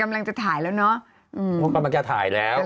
อะไรจะถ่ายแล้ว